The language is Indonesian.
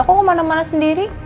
kok kemana mana sendiri